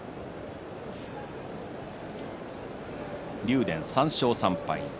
竜電、３勝３敗